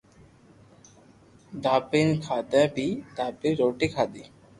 دھاپين کادي مي بي دھاپين روٽي کادي